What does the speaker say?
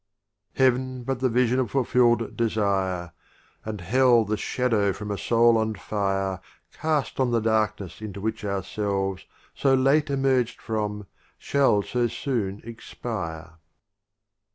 Heav'n but the Vision of fulfill'd Desire, And Hell the Shadow from a Soul on fire, Cast on the Darkness into which Ourselves, So late emerged from, shall so soon expire.